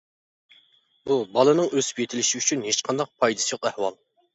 بۇ بالىنىڭ ئۆسۈپ يېتىلىشى ئۈچۈن ھېچقانداق پايدىسى يوق ئەھۋال.